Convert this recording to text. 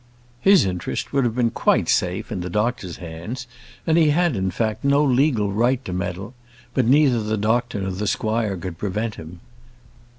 His interest would have been quite safe in the doctor's hands, and he had, in fact, no legal right to meddle; but neither the doctor nor the squire could prevent him.